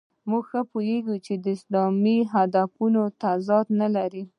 ښه پوهېږو اسلام هدفونو تضاد نه لري.